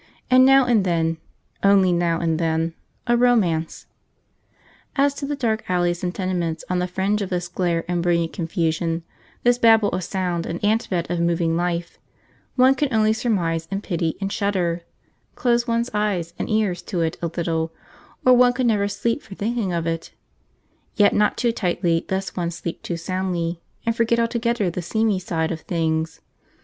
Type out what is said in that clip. and now and then only now and then a romance. As to the dark alleys and tenements on the fringe of this glare and brilliant confusion, this Babel of sound and ant bed of moving life, one can only surmise and pity and shudder; close one's eyes and ears to it a little, or one could never sleep for thinking of it, yet not too tightly lest one sleep too soundly, and forget altogether the seamy side of things.